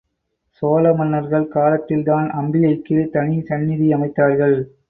சோழ மன்னர்கள் காலத்தில்தான் அம்பிகைக்கு தனி சந்நிதி அமைத்தார்கள்.